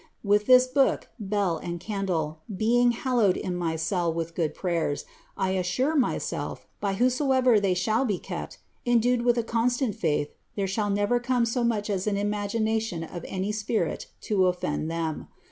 With this book, bell, and candle, being hallowed in my cell with good prayers, I assure my^elf, by whomsoever they shall be krpt, endued with a constant faith, there shall never come so much as an imagi mtion of any spirit to offend them.